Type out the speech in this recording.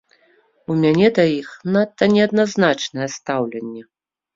У мяне да іх надта неадназначнае стаўленне.